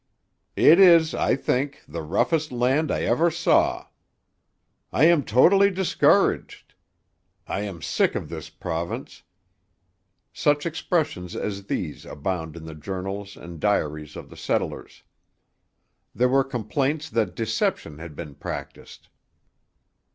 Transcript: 'It is, I think, the roughest land I ever saw'; 'I am totally discouraged'; 'I am sick of this Province' such expressions as these abound in the journals and diaries of the settlers. There were complaints that deception had been practised.